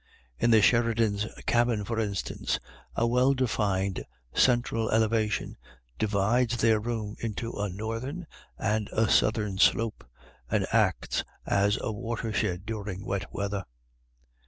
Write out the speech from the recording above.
In the Sheridans' cabin, for instance, a well defined central elevation divides their room into a northern and a southern slope, and acts as a water shed during wet weather.